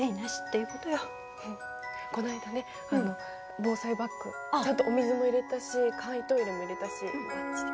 この間ね防災バッグちゃんとお水も入れたし簡易トイレも入れたしばっちり。